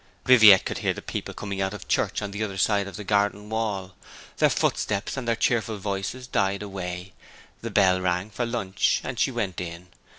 Viviette could hear the people coming out of church on the other side of the garden wall. Their footsteps and their cheerful voices died away; the bell rang for lunch; and she went in.